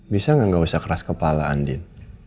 bisa gak gak usah keras kepala andin